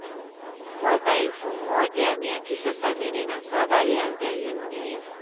Mwaka elfu moja mia tisa sabini na saba alianza elimu hiyo